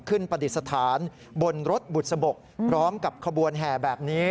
ปฏิสถานบนรถบุษบกพร้อมกับขบวนแห่แบบนี้